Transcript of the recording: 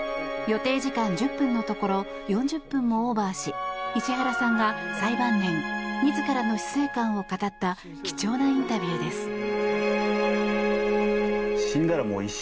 予定時間１０分のところ４０分もオーバーし石原さんが最晩年自らの死生観を語った貴重なインタビューです。